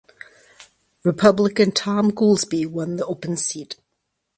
Republican Thom Goolsby won the open seat.